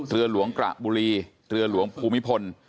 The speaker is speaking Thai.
เรือหลวงกระบุรีเรือหลวงภูมิพล